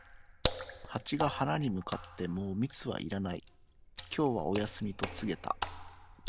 ハチが花に向かって、「もう蜜はいらない、今日はお休み」と告げた。